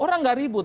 orang tidak ribut